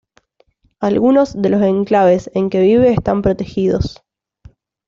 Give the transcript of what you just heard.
Algunos de los enclaves en que vive están protegidos.